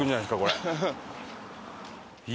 これ。